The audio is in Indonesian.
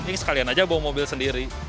ini sekalian aja bawa mobil sendiri